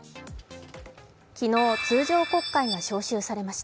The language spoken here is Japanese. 昨日、通常国会が召集されました。